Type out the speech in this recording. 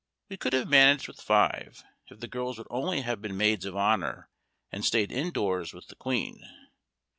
We could have managed with five, if the girls would only have been Maids of Honour, and stayed indoors with the Queen.